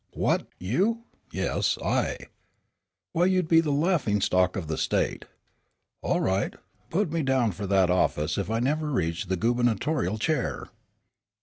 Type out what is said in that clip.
"What, you?" "Yes, I." "Why, you'd be the laughing stock of the State." "All right; put me down for that office if I never reach the gubernatorial chair."